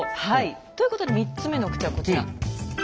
はいということで３つ目の口はこちら。